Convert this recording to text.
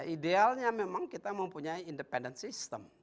idealnya memang kita mempunyai independen sistem